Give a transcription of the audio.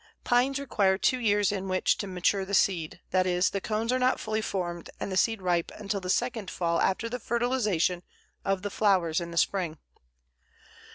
Pines require two years in which to mature the seed; that is, the cones are not fully formed and the seed ripe until the second fall after the fertilization of the flowers in the spring.